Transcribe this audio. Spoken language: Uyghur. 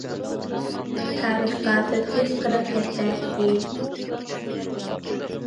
تارىخقا تۆت يۈز قىرىق يەتتە ئىدى.